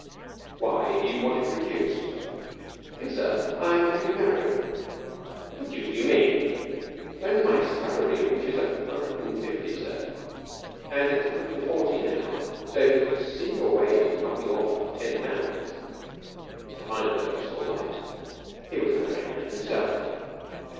"Why do you want it reduced?" "Please, sir, I'm going to be married." "What the deuce do you mean?" "When my salary reaches a hundred and fifty, sir. And it's a hundred and forty now, so if you could see your way to knocking off ten pounds " Mr. Fineberg saw light. He was a married man himself.